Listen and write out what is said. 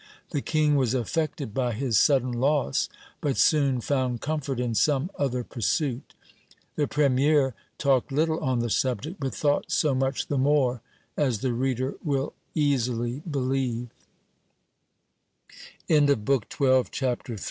The king was affected by his sudden loss, but soon found comfort in some other pursuit The premier talked little on the subject, but thought so much the more, as the reader will easily believe. Ch.